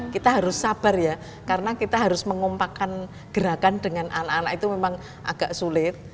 kita harus sabar ya karena kita harus mengumpakan gerakan dengan anak anak itu memang agak sulit